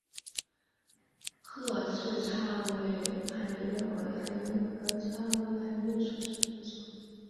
褐翅叉尾海燕为海燕科叉尾海燕属下的一个种。